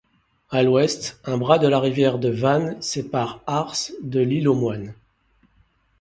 À l'ouest, un bras de la rivière de Vannes sépare Arz de l'Île-aux-Moines.